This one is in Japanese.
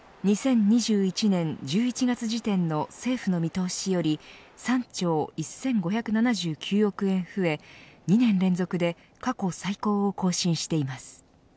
２０２１年１１月時点の政府の見通しより３兆１５７９億円増え２年連続で過去最高を更新しています。